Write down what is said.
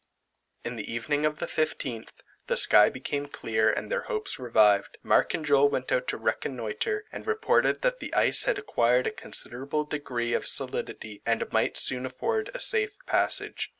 In the evening of the 15th, the sky became clear, and their hopes revived. Mark and Joel went out to reconnoitre, and reported that the ice had acquired a considerable degree of solidity, and might soon afford a safe passage.